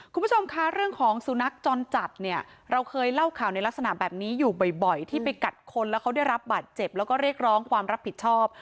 คุณผู้ชมคะเรื่องของสุนัขจรจัดเนี่ยเราเคยเล่าข่าวในลักษณะแบบนี้อยู่บ่อยที่ไปกัดคนแล้วเขาได้รับบาดเจ็บแล้วก็เรียกร้องความรับผิดชอบ